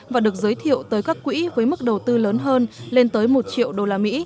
và được giới thiệu tới các quỹ với mức đầu tư lớn hơn lên tới một triệu usd